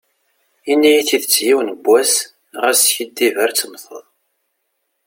Ini-yi tidet yiwen was, ɣas skiddib ar temteḍ.